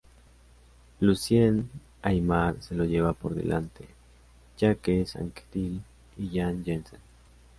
Lucien Aimar se lo lleva por delante Jacques Anquetil y Jan Janssen.